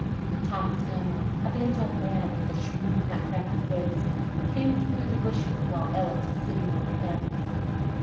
Thomas Fillmore, a bent old man with a shrewd, nutcracker face, came through the bushes while Ellis was sitting on the fence.